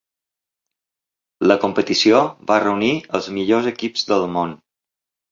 La competició va reunir els millors equips del món.